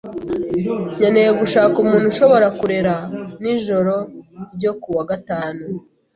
Nkeneye gushaka umuntu ushobora kurera nijoro ryo kuwa gatanu.